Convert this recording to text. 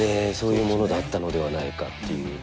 そういうものだったのではないかという。